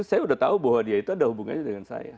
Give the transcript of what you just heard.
saya sudah tahu bahwa dia itu ada hubungannya dengan saya